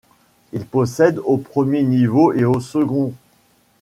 Il possède au premier niveau et au second.